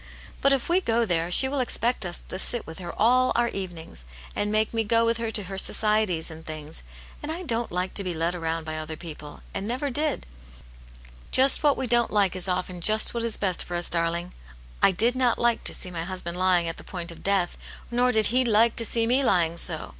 But if we go there, she will expect us to sit with her all our evenings, and make me go with her to her societies and things. And I don't like to be led round by other people, and never did." "Just what we don't like is often just what is best for us, darling. / did not like to see my hus band \ying at the point o£ de^XV^t^ot ^\^\nr.\^^ ..♦. 1 84 Aunt yatte's Hero. to see me lying so.